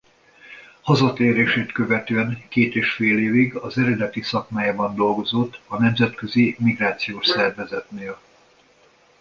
Hazatérését követően két és fél évig az eredeti szakmájában dolgozott a Nemzetközi Migrációs Szervezetnél.